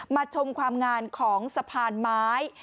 ชมความงานของสะพานไม้